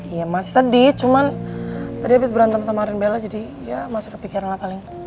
iya masih sedih cuman tadi habis berantem sama rinbela jadi ya masih kepikiran lah paling